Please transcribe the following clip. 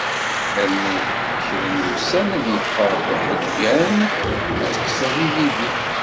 Rnu kra n wussan ad yeffeɣ uḥeggan, ad tekkseḍ ibidi.